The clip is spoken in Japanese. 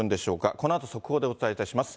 このあと、速報でお伝えいたします。